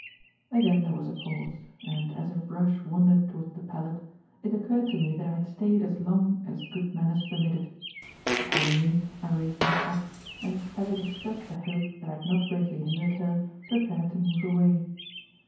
Again there was a pause; and, as her brush wandered towards the palette, it occurred to me that I had stayed as long as good manners permitted. Accordingly, I raised my cap, and, having expressed the hope that I had not greatly hindered her, prepared to move away.